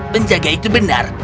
penjaga itu benar